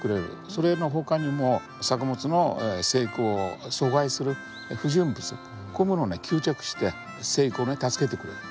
それの他にも作物の生育を阻害する不純物こういうものを吸着して生育を助けてくれる。